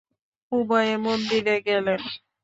উভয়ে মন্দিরে গেলেন।